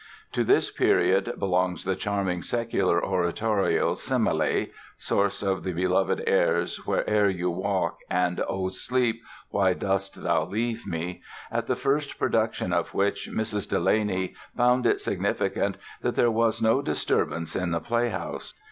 To this period belongs the charming secular oratorio, "Semele", (source of the beloved airs "Where'er you walk" and "O Sleep, why dost thou leave me?") at the first production of which Mrs. Delany found it significant that "there was no disturbance in the playhouse."